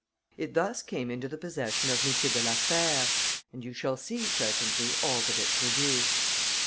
It thus came into the possession of M. de la Fère, and you shall see presently all that it produced.